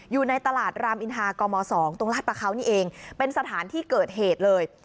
อยู่ในตลาดรามอินทากม๒ตรงลาดประเขานี่เองเป็นสถานที่เกิดเหตุเลย